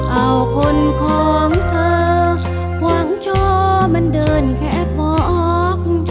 เอาคนของเธอหวังช่อมันเดินแค่มอง